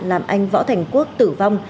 làm anh võ thành quốc tử vong